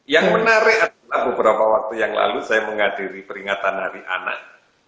yang menarik adalah beberapa waktu yang lalu saya menghadiri peringatan hari anak